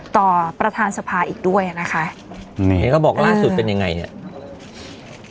ต่อประธานสภาอีกด้วยนะคะเห็นเขาบอกล่าสุดเป็นยังไงเนี้ย